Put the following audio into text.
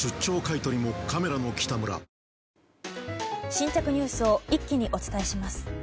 新着ニュースを一気にお伝えします。